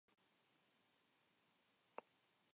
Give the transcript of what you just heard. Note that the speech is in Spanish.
Se encuentra en Eritrea, Etiopía y Kenia.